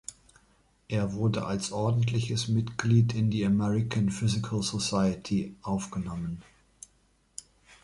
Er wurde als ordentliches Mitglied in die American Physical Society aufgenommen.